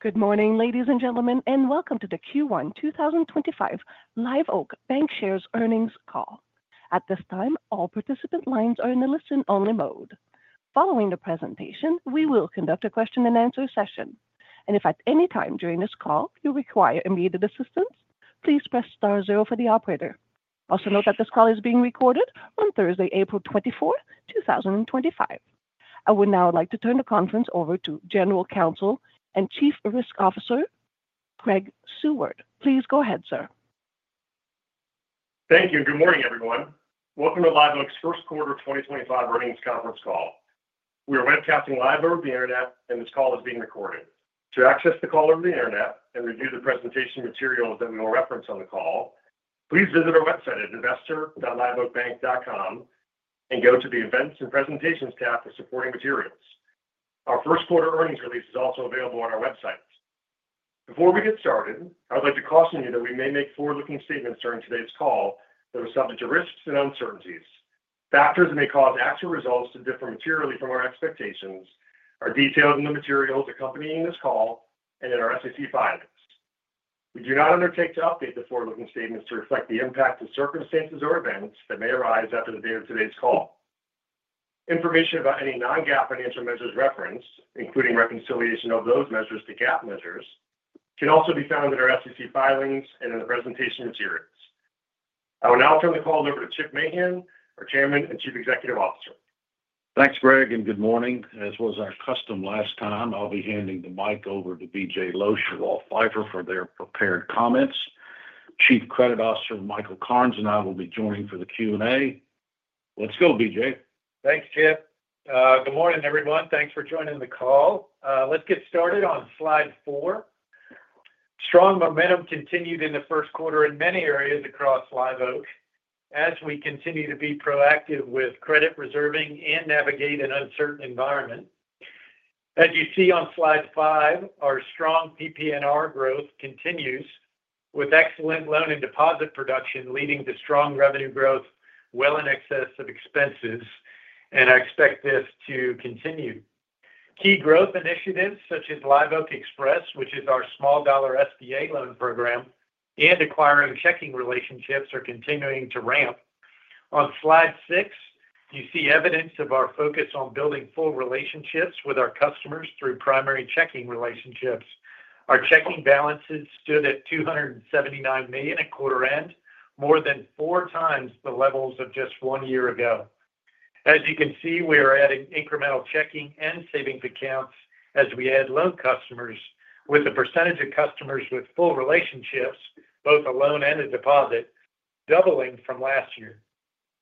Good morning, ladies and gentlemen, and welcome to the Q1 2025 Live Oak Bancshares earnings call. At this time, all participant lines are in the listen-only mode. Following the presentation, we will conduct a question-and-answer session, and if at any time during this call you require immediate assistance, please press star zero for the operator. Also note that this call is being recorded on Thursday, April 24, 2025. I would now like to turn the conference over to General Counsel and Chief Risk Officer Greg Seward. Please go ahead, sir. Thank you. Good morning, everyone. Welcome to Live Oak's first quarter 2025 earnings conference call. We are webcasting live over the internet, and this call is being recorded. To access the call over the internet and review the presentation materials that we will reference on the call, please visit our website at investor.liveoakbank.com and go to the Events and Presentations tab for supporting materials. Our first quarter earnings release is also available on our website. Before we get started, I would like to caution you that we may make forward-looking statements during today's call that are subject to risks and uncertainties. Factors that may cause actual results to differ materially from our expectations are detailed in the materials accompanying this call and in our SEC filings. We do not undertake to update the forward-looking statements to reflect the impact of circumstances or events that may arise after the date of today's call. Information about any non-GAAP financial measures referenced, including reconciliation of those measures to GAAP measures, can also be found in our SEC filings and in the presentation materials. I will now turn the call over to Chip Mahan, our Chairman and Chief Executive Officer. Thanks, Greg, and good morning. As was our custom last time, I'll be handing the mic over to B.J. Losch and Walt Phifer for their prepared comments. Chief Credit Officer Michael Cairns and I will be joining for the Q&A. Let's go, B.J. Thanks, Chip. Good morning, everyone. Thanks for joining the call. Let's get started on slide four. Strong momentum continued in the first quarter in many areas across Live Oak as we continue to be proactive with credit reserving and navigate an uncertain environment. As you see on slide five, our strong PPR growth continues with excellent loan and deposit production leading to strong revenue growth well in excess of expenses, and I expect this to continue. Key growth initiatives such as Live Oak Express, which is our small-dollar SBA loan program, and acquiring checking relationships are continuing to ramp. On slide six, you see evidence of our focus on building full relationships with our customers through primary checking relationships. Our checking balances stood at $279 million at quarter-end, more than four times the levels of just one year ago. As you can see, we are adding incremental checking and savings accounts as we add loan customers, with the percentage of customers with full relationships, both a loan and a deposit, doubling from last year.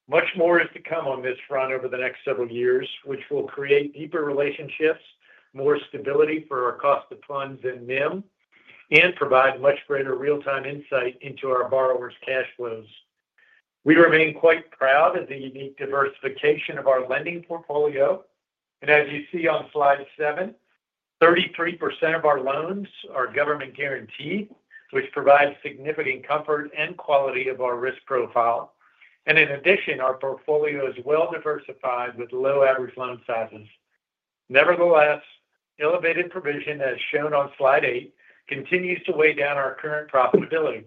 Much more is to come on this front over the next several years, which will create deeper relationships, more stability for our cost of funds and NIM, and provide much greater real-time insight into our borrowers' cash flows. We remain quite proud of the unique diversification of our lending portfolio, and as you see on slide seven, 33% of our loans are government-guaranteed, which provides significant comfort and quality of our risk profile. In addition, our portfolio is well-diversified with low average loan sizes. Nevertheless, elevated provision, as shown on slide eight, continues to weigh down our current profitability.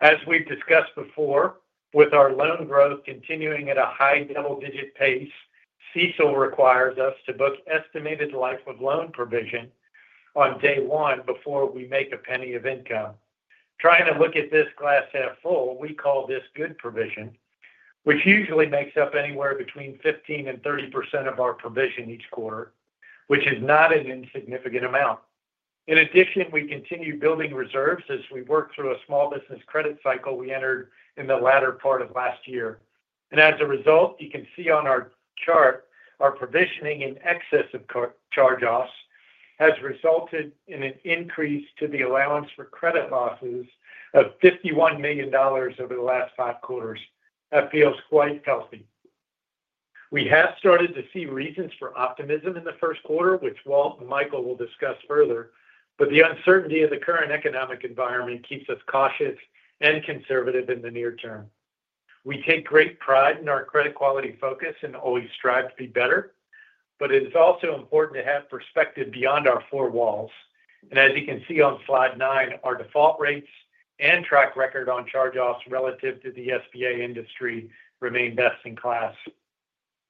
As we've discussed before, with our loan growth continuing at a high double-digit pace, CECL requires us to book estimated life of loan provision on day one before we make a penny of income. Trying to look at this glass half full, we call this good provision, which usually makes up anywhere between 15% and 30% of our provision each quarter, which is not an insignificant amount. In addition, we continue building reserves as we work through a small business credit cycle we entered in the latter part of last year. As a result, you can see on our chart, our provisioning in excess of charge-offs has resulted in an increase to the allowance for credit losses of $51 million over the last five quarters. That feels quite healthy. We have started to see reasons for optimism in the first quarter, which Walt and Michael will discuss further, but the uncertainty of the current economic environment keeps us cautious and conservative in the near term. We take great pride in our credit quality focus and always strive to be better, but it is also important to have perspective beyond our four walls. As you can see on slide nine, our default rates and track record on charge-offs relative to the SBA industry remain best in class.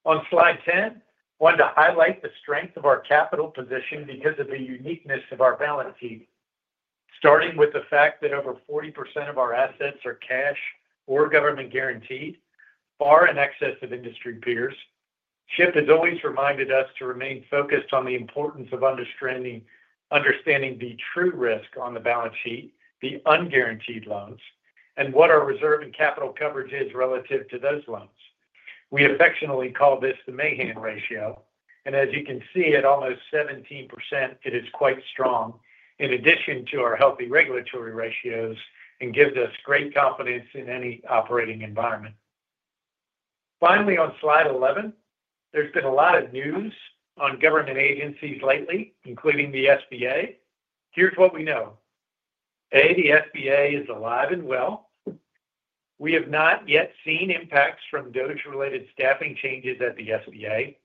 On slide ten, I want to highlight the strength of our capital position because of the uniqueness of our balance sheet, starting with the fact that over 40% of our assets are cash or government-guaranteed, far in excess of industry peers. Chip has always reminded us to remain focused on the importance of understanding the true risk on the balance sheet, the unguaranteed loans, and what our reserve and capital coverage is relative to those loans. We affectionately call this the Mahan ratio, and as you can see, at almost 17%, it is quite strong in addition to our healthy regulatory ratios and gives us great confidence in any operating environment. Finally, on slide 11, there has been a lot of news on government agencies lately, including the SBA. Here is what we know. A, the SBA is alive and well. We have not yet seen impacts from DOGE-related staffing changes at the SBA,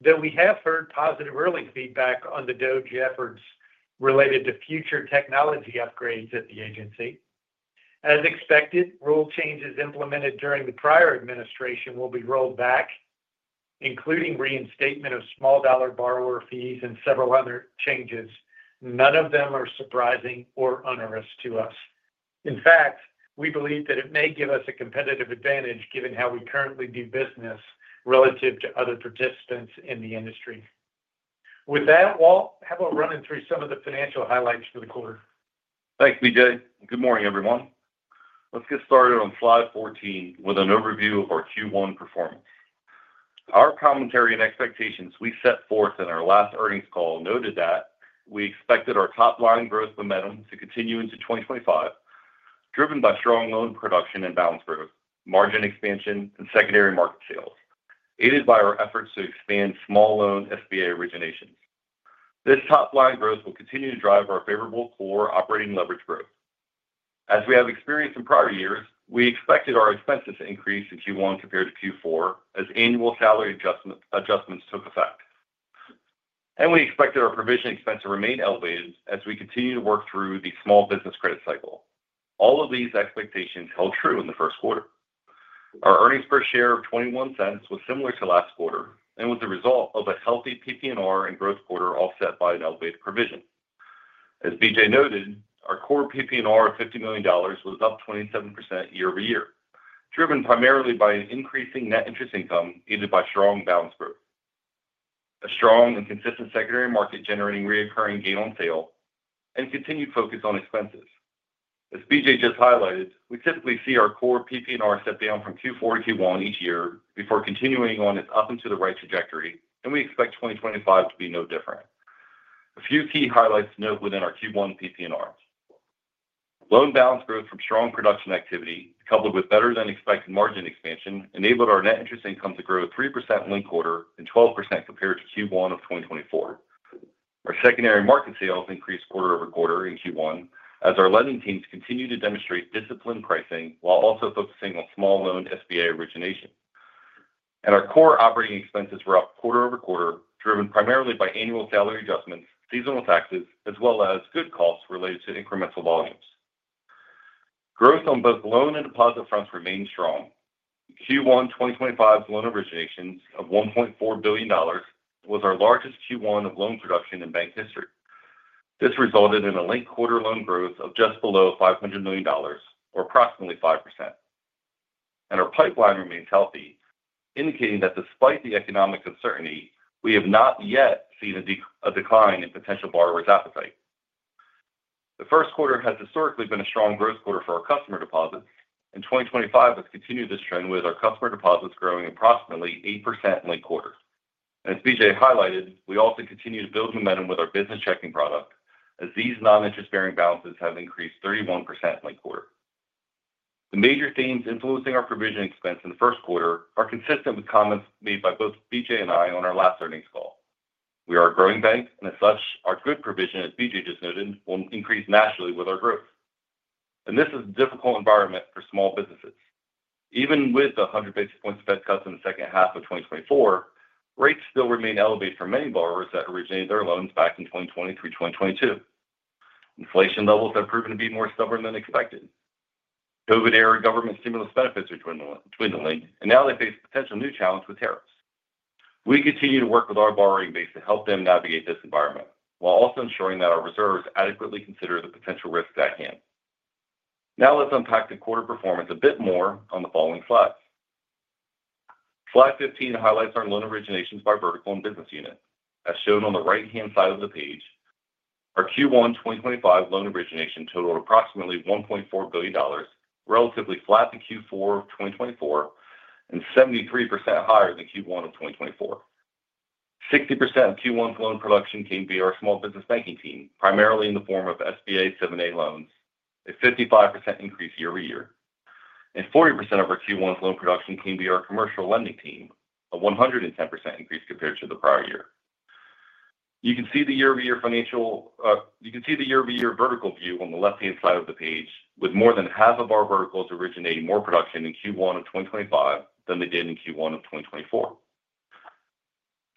though we have heard positive early feedback on the DOGE efforts related to future technology upgrades at the agency. As expected, rule changes implemented during the prior administration will be rolled back, including reinstatement of small-dollar borrower fees and several other changes. None of them are surprising or onerous to us. In fact, we believe that it may give us a competitive advantage given how we currently do business relative to other participants in the industry. With that, Walt, have a run-in through some of the financial highlights for the quarter. Thanks, B.J. Good morning, everyone. Let's get started on slide 14 with an overview of our Q1 performance. Our commentary and expectations we set forth in our last earnings call noted that we expected our top-line growth momentum to continue into 2025, driven by strong loan production and balance growth, margin expansion, and secondary market sales, aided by our efforts to expand small-loan SBA originations. This top-line growth will continue to drive our favorable core operating leverage growth. As we have experienced in prior years, we expected our expenses to increase in Q1 compared to Q4 as annual salary adjustments took effect. We expected our provision expense to remain elevated as we continue to work through the small business credit cycle. All of these expectations held true in the first quarter. Our earnings per share of $0.21 was similar to last quarter and was the result of a healthy PPR and growth quarter offset by an elevated provision. As B.J. noted, our core PPR of $50 million was up 27% year over year, driven primarily by an increasing net interest income aided by strong balance growth, a strong and consistent secondary market generating recurring gain on sale, and continued focus on expenses. As B.J. just highlighted, we typically see our core PPR step down from Q4 to Q1 each year before continuing on its up-and-to-the-right trajectory, and we expect 2025 to be no different. A few key highlights to note within our Q1 PPRs: loan balance growth from strong production activity, coupled with better-than-expected margin expansion, enabled our net interest income to grow 3% linked quarter and 12% compared to Q1 of 2024. Our secondary market sales increased quarter over quarter in Q1 as our lending teams continued to demonstrate disciplined pricing while also focusing on small-loan SBA origination. Our core operating expenses were up quarter over quarter, driven primarily by annual salary adjustments, seasonal taxes, as well as good costs related to incremental volumes. Growth on both loan and deposit fronts remained strong. Q1 2025's loan originations of $1.4 billion was our largest Q1 of loan production in bank history. This resulted in a linked quarter loan growth of just below $500 million, or approximately 5%. Our pipeline remains healthy, indicating that despite the economic uncertainty, we have not yet seen a decline in potential borrowers' appetite. The first quarter has historically been a strong growth quarter for our customer deposits, and 2025 has continued this trend with our customer deposits growing approximately 8% linked quarter. As B.J. Highlighted, we also continue to build momentum with our business checking product as these non-interest-bearing balances have increased 31% linked quarter. The major themes influencing our provision expense in the first quarter are consistent with comments made by both B.J. and I on our last earnings call. We are a growing bank, and as such, our good provision, as B.J. just noted, will increase naturally with our growth. This is a difficult environment for small businesses. Even with the 100 basis points Fed cuts in the second half of 2024, rates still remain elevated for many borrowers that originated their loans back in 2020 through 2022. Inflation levels have proven to be more stubborn than expected. COVID-era government stimulus benefits are dwindling, and now they face potential new challenges with tariffs. We continue to work with our borrowing base to help them navigate this environment while also ensuring that our reserves adequately consider the potential risks at hand. Now let's unpack the quarter performance a bit more on the following slides. Slide 15 highlights our loan originations by vertical and business unit. As shown on the right-hand side of the page, our Q1 2025 loan origination totaled approximately $1.4 billion, relatively flat to Q4 of 2024 and 73% higher than Q1 of 2024. 60% of Q1's loan production came via our small business banking team, primarily in the form of SBA 7(a) loans, a 55% increase year over year. 40% of our Q1's loan production came via our commercial lending team, a 110% increase compared to the prior year. You can see the year-over-year financial—you can see the year-over-year vertical view on the left-hand side of the page, with more than half of our verticals originating more production in Q1 of 2025 than they did in Q1 of 2024.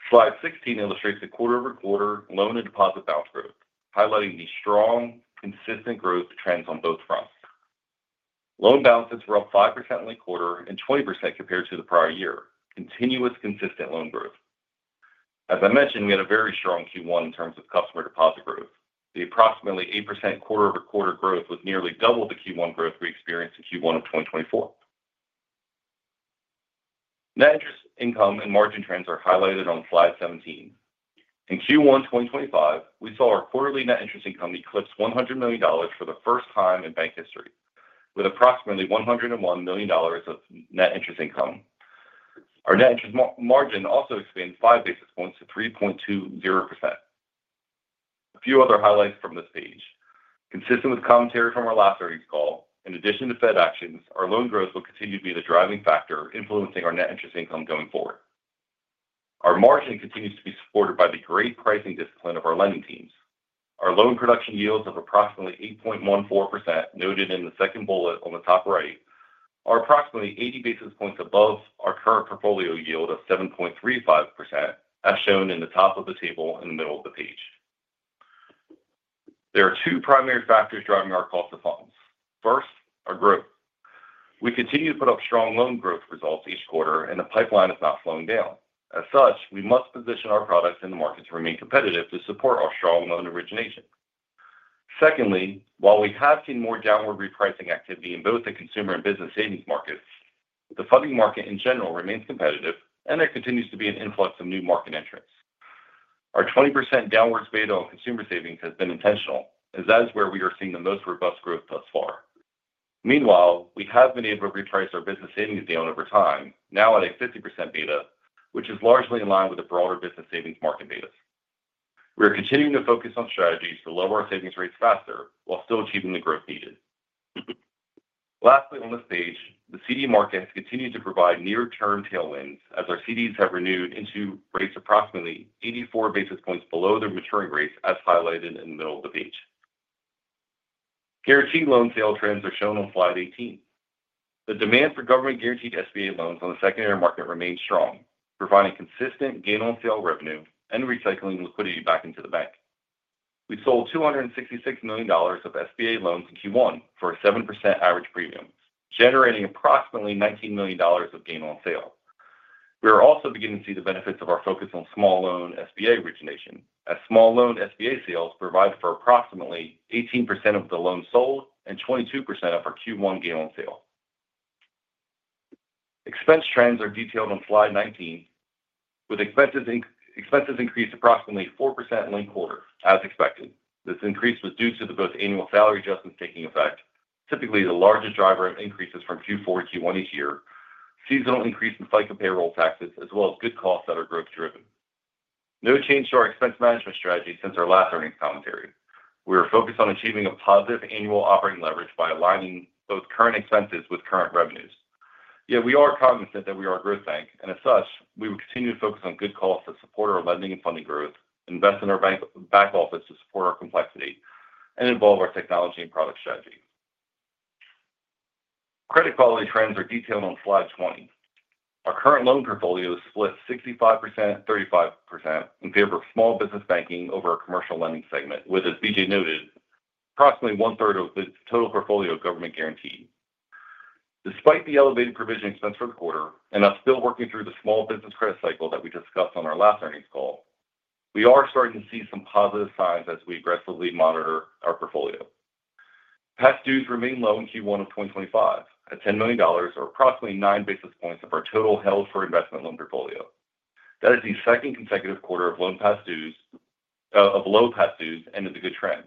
Slide 16 illustrates the quarter-over-quarter loan and deposit balance growth, highlighting the strong, consistent growth trends on both fronts. Loan balances were up 5% linked quarter and 20% compared to the prior year, continuous consistent loan growth. As I mentioned, we had a very strong Q1 in terms of customer deposit growth. The approximately 8% quarter-over-quarter growth was nearly double the Q1 growth we experienced in Q1 of 2024. Net interest income and margin trends are highlighted on slide 17. In Q1 2025, we saw our quarterly net interest income eclipse $100 million for the first time in bank history, with approximately $101 million of net interest income. Our net interest margin also expanded 5 basis points to 3.20%. A few other highlights from this page. Consistent with commentary from our last earnings call, in addition to Fed actions, our loan growth will continue to be the driving factor influencing our net interest income going forward. Our margin continues to be supported by the great pricing discipline of our lending teams. Our loan production yields of approximately 8.14%, noted in the second bullet on the top right, are approximately 80 basis points above our current portfolio yield of 7.35%, as shown in the top of the table in the middle of the page. There are two primary factors driving our cost of funds. First, our growth. We continue to put up strong loan growth results each quarter, and the pipeline is not slowing down. As such, we must position our products in the market to remain competitive to support our strong loan origination. Secondly, while we have seen more downward repricing activity in both the consumer and business savings markets, the funding market in general remains competitive, and there continues to be an influx of new market entrants. Our 20% downwards beta on consumer savings has been intentional, as that is where we are seeing the most robust growth thus far. Meanwhile, we have been able to reprice our business savings yield over time, now at a 50% beta, which is largely in line with the broader business savings market betas. We are continuing to focus on strategies to lower our savings rates faster while still achieving the growth needed. Lastly, on this page, the CD market has continued to provide near-term tailwinds as our CDs have renewed into rates approximately 84 basis points below their maturing rates, as highlighted in the middle of the page. Guaranteed loan sale trends are shown on slide 18. The demand for government-guaranteed SBA loans on the secondary market remains strong, providing consistent gain on sale revenue and recycling liquidity back into the bank. We sold $266 million of SBA loans in Q1 for a 7% average premium, generating approximately $19 million of gain on sale. We are also beginning to see the benefits of our focus on small-loan SBA origination, as small-loan SBA sales provide for approximately 18% of the loans sold and 22% of our Q1 gain on sale. Expense trends are detailed on slide 19, with expenses increased approximately 4% link quarter, as expected. This increase was due to both annual salary adjustments taking effect, typically the largest driver of increases from Q4 to Q1 each year, seasonal increase in FICA payroll taxes, as well as good costs that are growth-driven. No change to our expense management strategy since our last earnings commentary. We are focused on achieving a positive annual operating leverage by aligning both current expenses with current revenues. Yet we are cognizant that we are a growth bank, and as such, we will continue to focus on good costs to support our lending and funding growth, invest in our bank back office to support our complexity, and evolve our technology and product strategy. Credit quality trends are detailed on slide 20. Our current loan portfolio is split 65%, 35% in favor of small business banking over our commercial lending segment, with, as B.J. noted, approximately one-third of the total portfolio government-guaranteed. Despite the elevated provision expense for the quarter, and us still working through the small business credit cycle that we discussed on our last earnings call, we are starting to see some positive signs as we aggressively monitor our portfolio. Past dues remain low in Q1 of 2025 at $10 million, or approximately 9 basis points of our total held for investment loan portfolio. That is the second consecutive quarter of low past dues and the end of a good trend.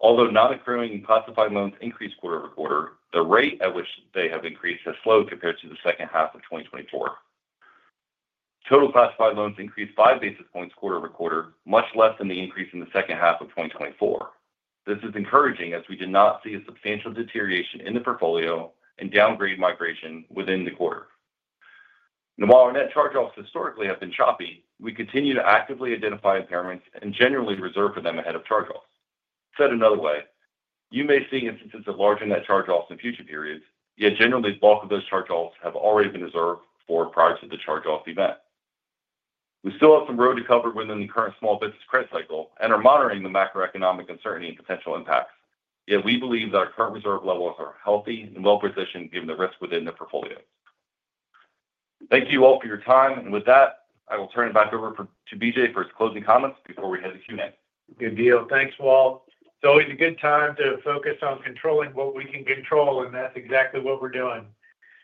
Although non-accrual and classified loans increased quarter over quarter, the rate at which they have increased has slowed compared to the second half of 2024. Total classified loans increased 5 basis points quarter over quarter, much less than the increase in the second half of 2024. This is encouraging as we did not see a substantial deterioration in the portfolio and downgrade migration within the quarter. While our net charge-offs historically have been choppy, we continue to actively identify impairments and generally reserve for them ahead of charge-offs. Said another way, you may see instances of larger net charge-offs in future periods, yet generally the bulk of those charge-offs have already been reserved for prior to the charge-off event. We still have some road to cover within the current small business credit cycle and are monitoring the macroeconomic uncertainty and potential impacts, yet we believe that our current reserve levels are healthy and well-positioned given the risk within the portfolio. Thank you all for your time, and with that, I will turn it back over to B.J. for his closing comments before we head to Q&A. Good deal. Thanks, Walt. It's always a good time to focus on controlling what we can control, and that's exactly what we're doing.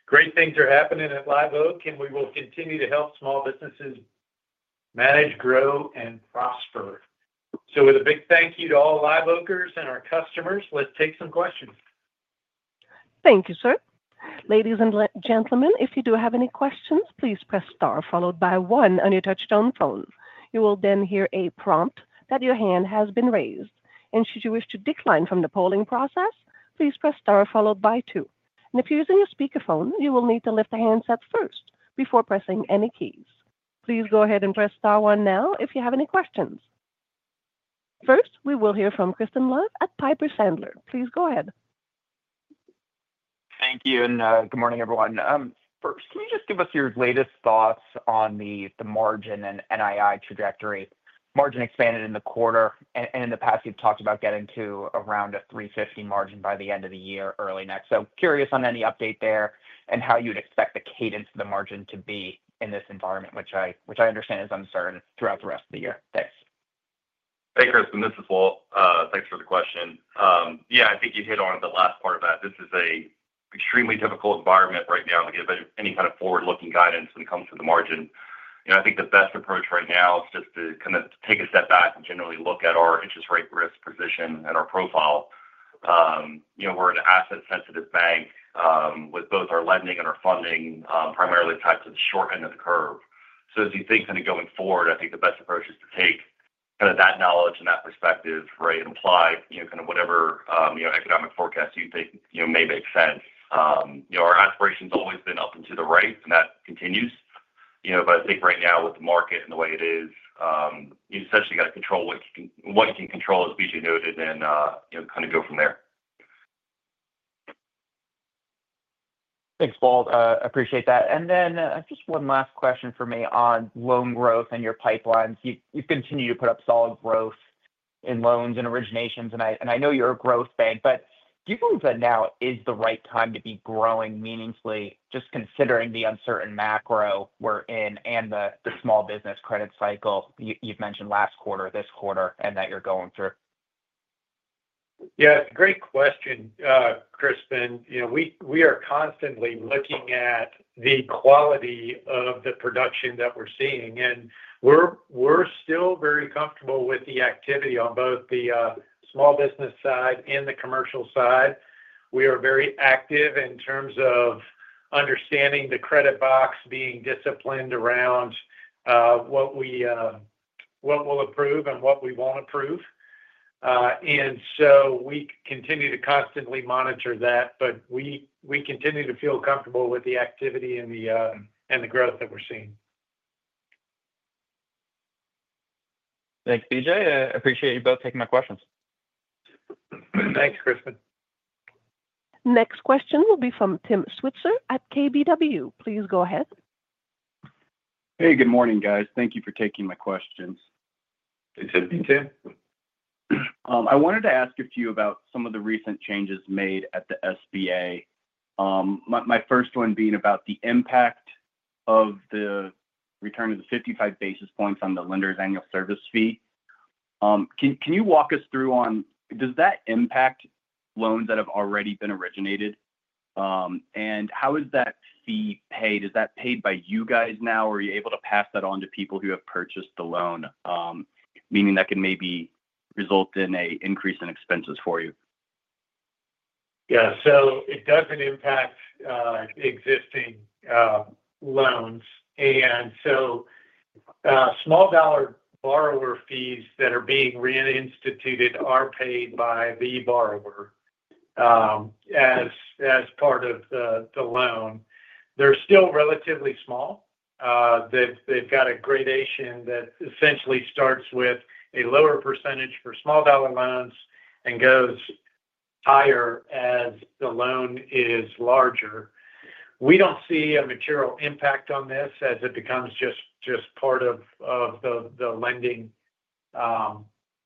Great things are happening at Live Oak, and we will continue to help small businesses manage, grow, and prosper. With a big thank you to all Live Oakers and our customers, let's take some questions. Thank you, sir. Ladies and gentlemen, if you do have any questions, please press star followed by one on your touch-tone phone. You will then hear a prompt that your hand has been raised. Should you wish to decline from the polling process, please press star followed by two. If you are using your speakerphone, you will need to lift the handset first before pressing any keys. Please go ahead and press star one now if you have any questions. First, we will hear from Crispin Love at Piper Sandler. Please go ahead. Thank you, and good morning, everyone. First, can you just give us your latest thoughts on the margin and NII trajectory? Margin expanded in the quarter, and in the past, you've talked about getting to around a 3.50 margin by the end of the year early next. Curious on any update there and how you'd expect the cadence of the margin to be in this environment, which I understand is uncertain throughout the rest of the year. Thanks. Hey, Crispin, this is Walt. Thanks for the question. Yeah, I think you hit on the last part of that. This is an extremely difficult environment right now to give any kind of forward-looking guidance when it comes to the margin. I think the best approach right now is just to kind of take a step back and generally look at our interest rate risk position and our profile. We are an asset-sensitive bank with both our lending and our funding primarily tied to the short end of the curve. As you think kind of going forward, I think the best approach is to take kind of that knowledge and that perspective, right, and apply kind of whatever economic forecasts you think may make sense. Our aspiration has always been up and to the right, and that continues. I think right now, with the market and the way it is, you essentially got to control what you can control, as B.J. noted, and kind of go from there. Thanks, Walt. I appreciate that. Just one last question for me on loan growth and your pipelines. You continue to put up solid growth in loans and originations, and I know you're a growth bank, but do you believe that now is the right time to be growing meaningfully, just considering the uncertain macro we're in and the small business credit cycle you've mentioned last quarter, this quarter, and that you're going through? Yeah, great question, Crispin. We are constantly looking at the quality of the production that we're seeing, and we're still very comfortable with the activity on both the small business side and the commercial side. We are very active in terms of understanding the credit box, being disciplined around what we will approve and what we won't approve. We continue to constantly monitor that, but we continue to feel comfortable with the activity and the growth that we're seeing. Thanks, B.J. I appreciate you both taking my questions. Thanks, Crispin. Next question will be from Tim Switzer at KBW. Please go ahead. Hey, good morning, guys. Thank you for taking my questions. Good to meet you. I wanted to ask a few about some of the recent changes made at the SBA, my first one being about the impact of the return of the 55 basis points on the lender's annual service fee. Can you walk us through on does that impact loans that have already been originated, and how is that fee paid? Is that paid by you guys now, or are you able to pass that on to people who have purchased the loan, meaning that can maybe result in an increase in expenses for you? Yeah, it doesn't impact existing loans. Small-dollar borrower fees that are being reinstituted are paid by the borrower as part of the loan. They're still relatively small. They've got a gradation that essentially starts with a lower percentage for small-dollar loans and goes higher as the loan is larger. We don't see a material impact on this as it becomes just part of the lending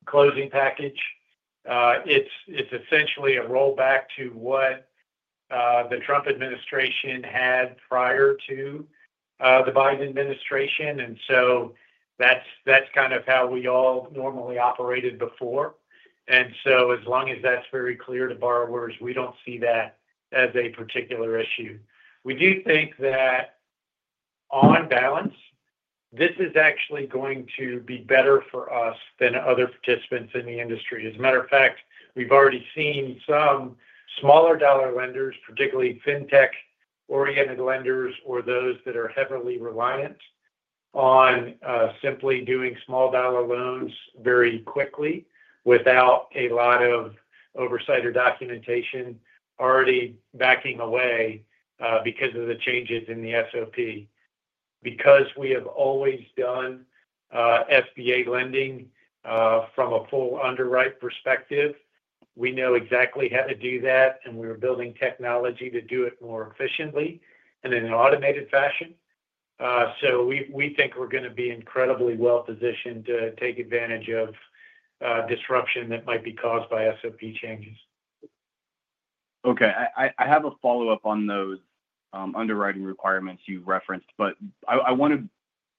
closing package. It's essentially a rollback to what the Trump administration had prior to the Biden administration, and that's kind of how we all normally operated before. As long as that's very clear to borrowers, we don't see that as a particular issue. We do think that on balance, this is actually going to be better for us than other participants in the industry. As a matter of fact, we've already seen some smaller-dollar lenders, particularly fintech-oriented lenders or those that are heavily reliant on simply doing small-dollar loans very quickly without a lot of oversight or documentation, already backing away because of the changes in the SOP. Because we have always done SBA lending from a full underwrite perspective, we know exactly how to do that, and we were building technology to do it more efficiently and in an automated fashion. We think we're going to be incredibly well-positioned to take advantage of disruption that might be caused by SOP changes. Okay. I have a follow-up on those underwriting requirements you referenced, but I want to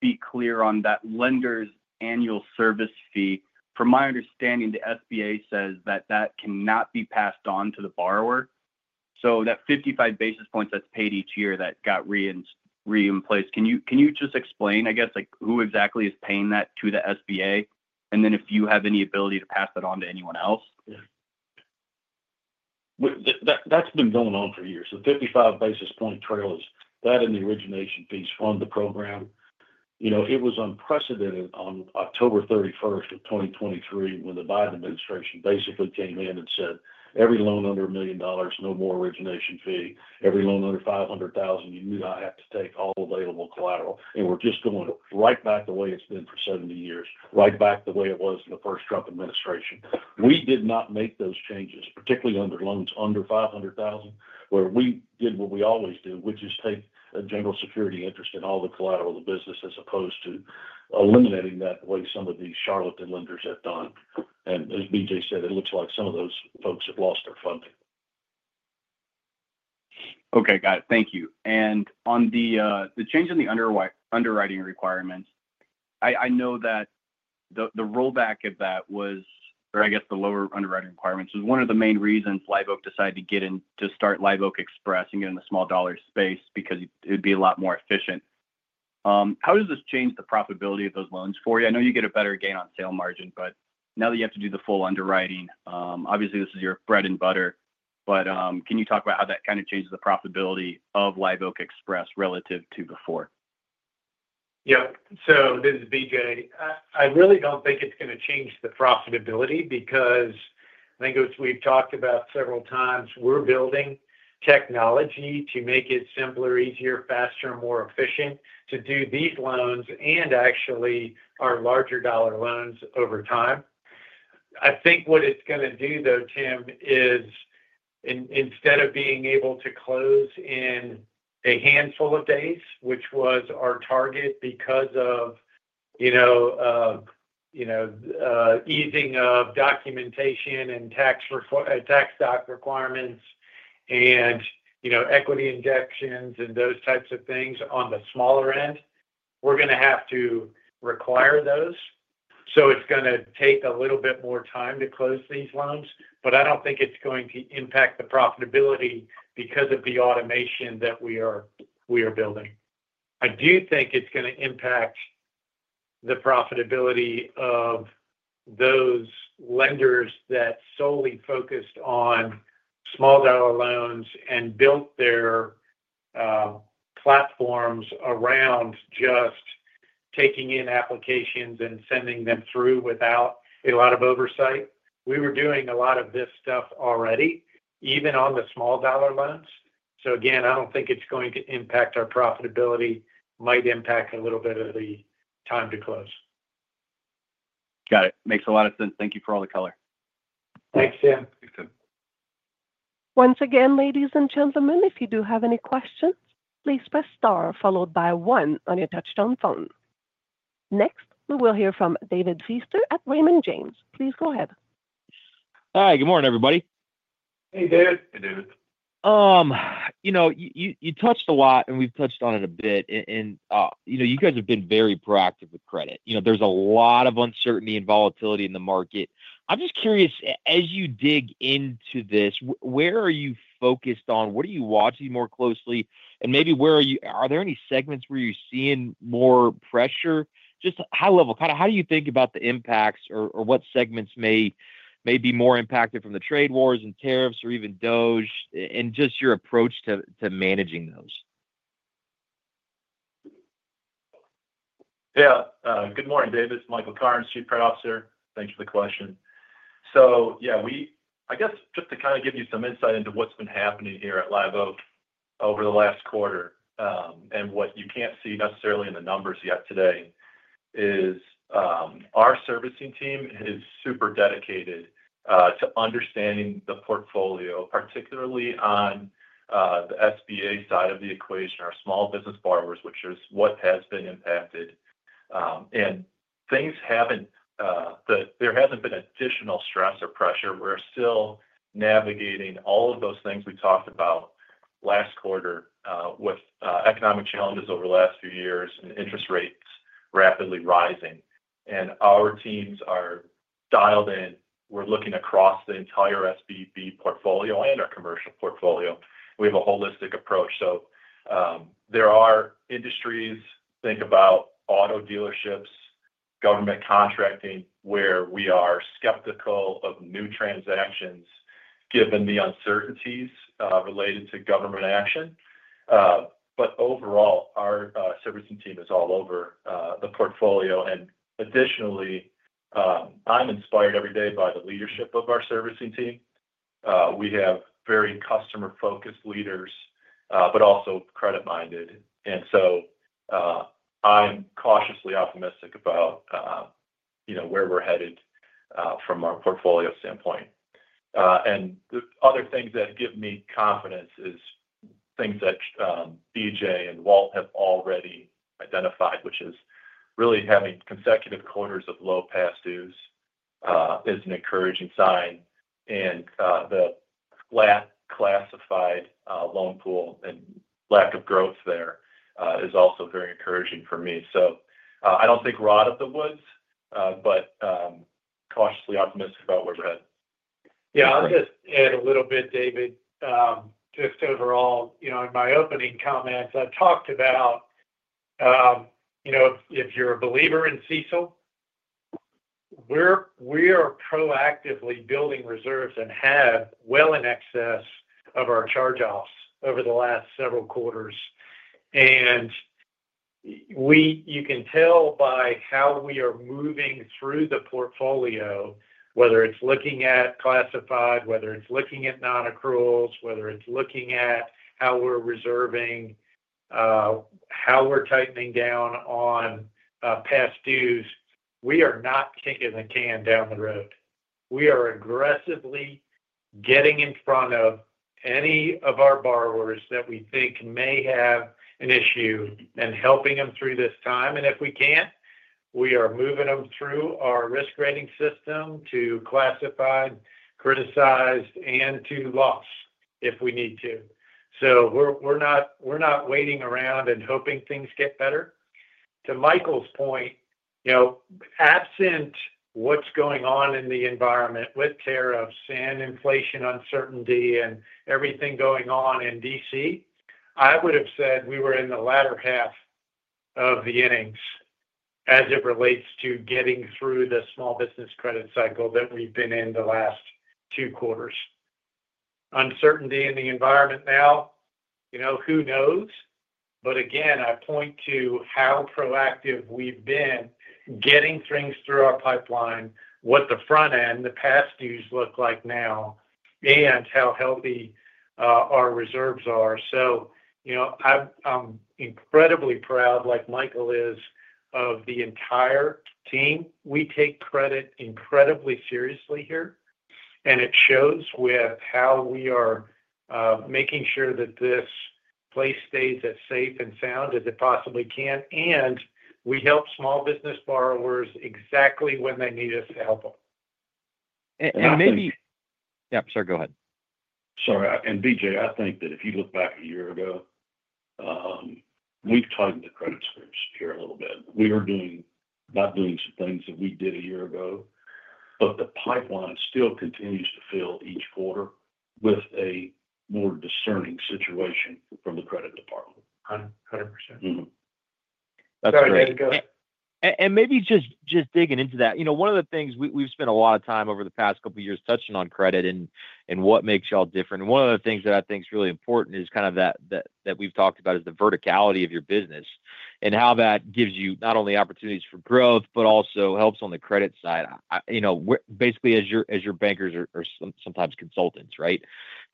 be clear on that lender's annual service fee. From my understanding, the SBA says that that cannot be passed on to the borrower. So that 55 basis points that's paid each year that got reinplaced, can you just explain, I guess, who exactly is paying that to the SBA? And then if you have any ability to pass that on to anyone else. That's been going on for years. The 55 basis point trail is that and the origination fees fund the program. It was unprecedented on October 31, 2023 when the Biden administration basically came in and said, "Every loan under a million dollars, no more origination fee. Every loan under $500,000, you do not have to take all available collateral." We are just going right back the way it's been for 70 years, right back the way it was in the first Trump administration. We did not make those changes, particularly under loans under $500,000, where we did what we always do, which is take a general security interest in all the collateral of the business as opposed to eliminating that the way some of these charlatan lenders have done. As B.J. said, it looks like some of those folks have lost their funding. Okay. Got it. Thank you. On the change in the underwriting requirements, I know that the rollback of that was, or I guess the lower underwriting requirements was one of the main reasons Live Oak decided to start Live Oak Express and get in the small-dollar space because it would be a lot more efficient. How does this change the profitability of those loans for you? I know you get a better gain on sale margin, but now that you have to do the full underwriting, obviously this is your bread and butter, but can you talk about how that kind of changes the profitability of Live Oak Express relative to before? Yep. This is B.J. I really don't think it's going to change the profitability because I think we've talked about several times we're building technology to make it simpler, easier, faster, more efficient to do these loans and actually our larger-dollar loans over time. I think what it's going to do, though, Tim, is instead of being able to close in a handful of days, which was our target because of easing of documentation and tax doc requirements and equity injections and those types of things on the smaller end, we're going to have to require those. It's going to take a little bit more time to close these loans, but I don't think it's going to impact the profitability because of the automation that we are building. I do think it's going to impact the profitability of those lenders that solely focused on small-dollar loans and built their platforms around just taking in applications and sending them through without a lot of oversight. We were doing a lot of this stuff already, even on the small-dollar loans. I don't think it's going to impact our profitability. It might impact a little bit of the time to close. Got it. Makes a lot of sense. Thank you for all the color. Thanks, Tim. Thanks, Tim. Once again, ladies and gentlemen, if you do have any questions, please press star followed by one on your touch-tone phone. Next, we will hear from David Feaster at Raymond James. Please go ahead. Hi. Good morning, everybody. Hey, David. Hey, David. You touched a lot, and we've touched on it a bit. You guys have been very proactive with credit. There's a lot of uncertainty and volatility in the market. I'm just curious, as you dig into this, where are you focused on? What are you watching more closely? Maybe where are you? Are there any segments where you're seeing more pressure? Just high-level, kind of how do you think about the impacts or what segments may be more impacted from the trade wars and tariffs or even DOGE and just your approach to managing those? Yeah. Good morning, David. It's Michael Cairns, Chief Credit Officer. Thank you for the question. Yeah, I guess just to kind of give you some insight into what's been happening here at Live Oak over the last quarter and what you can't see necessarily in the numbers yet today is our servicing team is super dedicated to understanding the portfolio, particularly on the SBA side of the equation, our small business borrowers, which is what has been impacted. Things haven't—there hasn't been additional stress or pressure. We're still navigating all of those things we talked about last quarter with economic challenges over the last few years and interest rates rapidly rising. Our teams are dialed in. We're looking across the entire SBA portfolio and our commercial portfolio. We have a holistic approach. There are industries, think about auto dealerships, government contracting, where we are skeptical of new transactions given the uncertainties related to government action. Overall, our servicing team is all over the portfolio. Additionally, I'm inspired every day by the leadership of our servicing team. We have very customer-focused leaders, but also credit-minded. I'm cautiously optimistic about where we're headed from our portfolio standpoint. The other things that give me confidence are things that B.J. and Walt have already identified, which is really having consecutive quarters of low past dues is an encouraging sign. The flat classified loan pool and lack of growth there is also very encouraging for me. I do not think not of the woods, but cautiously optimistic about where we're headed. Yeah. I'll just add a little bit, David. Just overall, in my opening comments, I've talked about if you're a believer in CECL, we are proactively building reserves and have well in excess of our charge-offs over the last several quarters. You can tell by how we are moving through the portfolio, whether it's looking at classified, whether it's looking at non-accruals, whether it's looking at how we're reserving, how we're tightening down on past dues. We are not kicking the can down the road. We are aggressively getting in front of any of our borrowers that we think may have an issue and helping them through this time. If we can't, we are moving them through our risk-rating system to classified, criticized, and to loss if we need to. We are not waiting around and hoping things get better. To Michael's point, absent what's going on in the environment with tariffs and inflation uncertainty and everything going on in D.C., I would have said we were in the latter half of the innings as it relates to getting through the small business credit cycle that we've been in the last two quarters. Uncertainty in the environment now, who knows? I point to how proactive we've been getting things through our pipeline, what the front end, the past dues look like now, and how healthy our reserves are. I'm incredibly proud, like Michael is, of the entire team. We take credit incredibly seriously here, and it shows with how we are making sure that this place stays as safe and sound as it possibly can. We help small business borrowers exactly when they need us to help them. Maybe. Yep. Sure. Go ahead. Sorry. B.J., I think that if you look back a year ago, we've tightened the credit scripts here a little bit. We are not doing some things that we did a year ago, but the pipeline still continues to fill each quarter with a more discerning situation from the credit department. 100%. Sorry, David. Go ahead. Maybe just digging into that, one of the things we've spent a lot of time over the past couple of years touching on credit and what makes y'all different. One of the things that I think is really important is kind of that we've talked about is the verticality of your business and how that gives you not only opportunities for growth, but also helps on the credit side. Basically, as your bankers are sometimes consultants, right?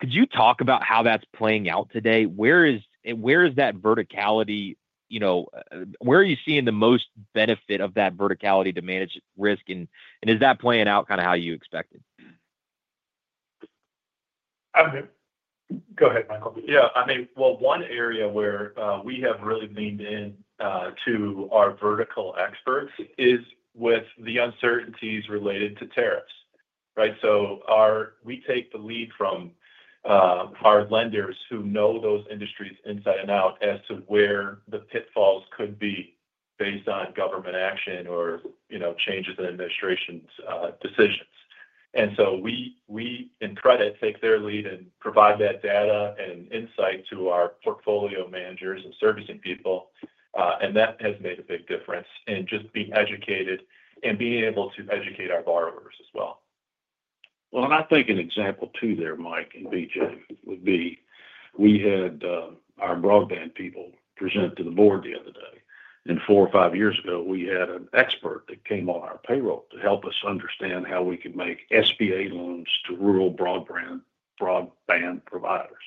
Could you talk about how that's playing out today? Where is that verticality? Where are you seeing the most benefit of that verticality to manage risk? Is that playing out kind of how you expected? I'm here. Go ahead, Michael. Yeah. I mean, one area where we have really leaned into our vertical experts is with the uncertainties related to tariffs, right? We take the lead from our lenders who know those industries inside and out as to where the pitfalls could be based on government action or changes in administration's decisions. We in credit take their lead and provide that data and insight to our portfolio managers and servicing people. That has made a big difference in just being educated and being able to educate our borrowers as well. I think an example too there, Mike and B.J., would be we had our broadband people present to the board the other day. Four or five years ago, we had an expert that came on our payroll to help us understand how we could make SBA loans to rural broadband providers.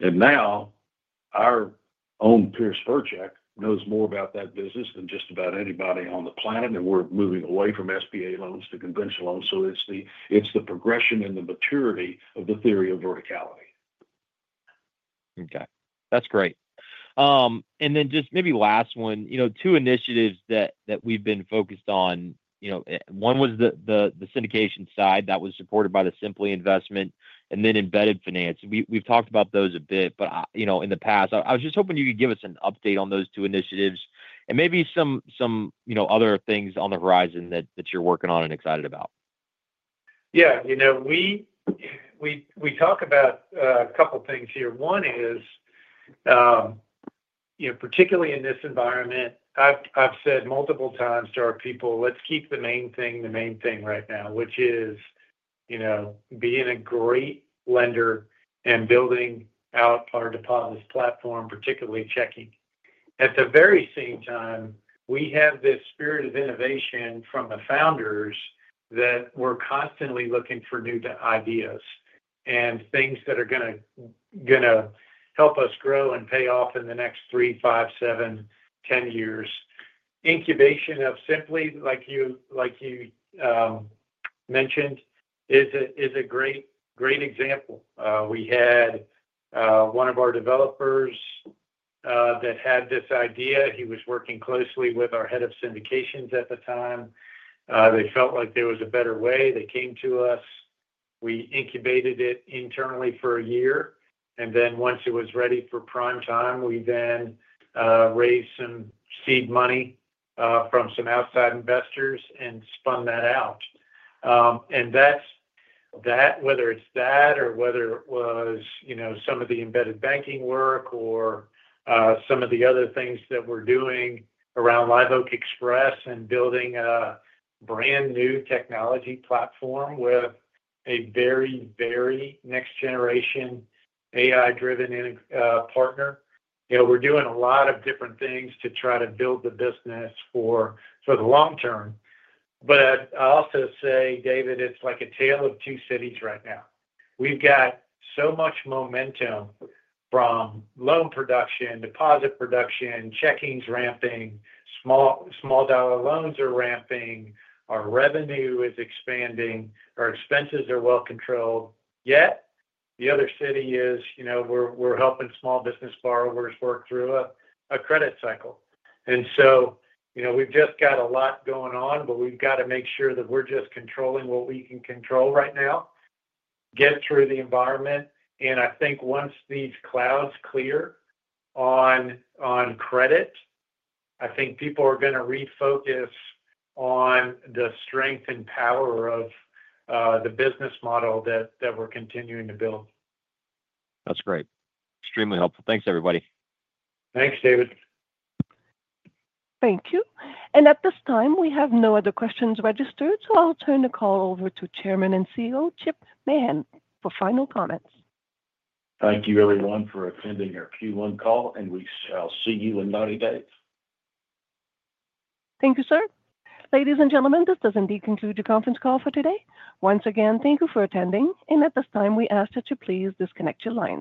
Now our own Pierce Woychick knows more about that business than just about anybody on the planet. We're moving away from SBA loans to conventional loans. It's the progression and the maturity of the theory of verticality. Okay. That's great. Just maybe last one, two initiatives that we've been focused on. One was the syndication side that was supported by the Simpli Investment and then embedded finance. We've talked about those a bit, but in the past, I was just hoping you could give us an update on those two initiatives and maybe some other things on the horizon that you're working on and excited about. Yeah. We talk about a couple of things here. One is, particularly in this environment, I've said multiple times to our people, "Let's keep the main thing the main thing right now," which is being a great lender and building out our deposits platform, particularly checking. At the very same time, we have this spirit of innovation from the founders that we're constantly looking for new ideas and things that are going to help us grow and pay off in the next three, five, seven, ten years. Incubation of Simpli, like you mentioned, is a great example. We had one of our developers that had this idea. He was working closely with our head of syndications at the time. They felt like there was a better way. They came to us. We incubated it internally for a year. Once it was ready for prime time, we then raised some seed money from some outside investors and spun that out. Whether it is that or whether it was some of the embedded banking work or some of the other things that we are doing around Live Oak Express and building a brand new technology platform with a very, very next-generation AI-driven partner, we are doing a lot of different things to try to build the business for the long term. I will also say, David, it is like a tale of two cities right now. We have so much momentum from loan production, deposit production, checkings ramping, small-dollar loans are ramping, our revenue is expanding, our expenses are well controlled. Yet the other city is we are helping small business borrowers work through a credit cycle. We have just got a lot going on, but we have to make sure that we are just controlling what we can control right now, get through the environment. I think once these clouds clear on credit, I think people are going to refocus on the strength and power of the business model that we are continuing to build. That's great. Extremely helpful. Thanks, everybody. Thanks, David. Thank you. At this time, we have no other questions registered. I will turn the call over to Chairman and CEO Chip Mahan for final comments. Thank you, everyone, for attending our Q1 call. I'll see you in 90 days. Thank you, sir. Ladies and gentlemen, this does indeed conclude the conference call for today. Once again, thank you for attending. At this time, we ask that you please disconnect your lines.